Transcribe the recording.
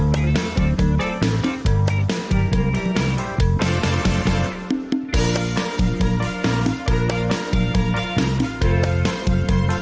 โปรดติดตามตอนต่อไป